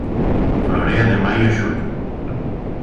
Florea de maio a xullo.